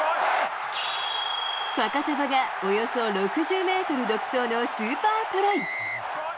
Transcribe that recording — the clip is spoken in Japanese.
ファカタヴァがおよそ６０メートル独走のスーパートライ。